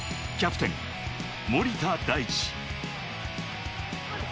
キャプテン・森田大智。